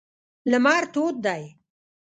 لمر تود دی.